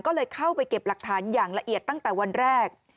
ก็เลยเข้าไปเก็บหลักฐานอย่างละเอียดตั้งแต่วันแรก